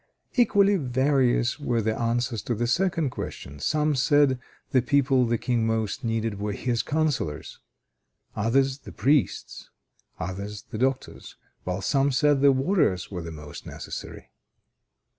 Equally various were the answers to the second question. Some said, the people the King most needed were his councillors; others, the priests; others, the doctors; while some said the warriors were the most necessary.